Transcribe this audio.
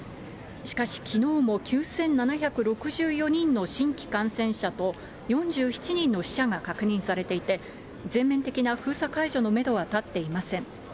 しかしきのうも９７６４人の新規感染者と、４７人の死者が確認されていて、全面的な封鎖解除のメドはたっていません。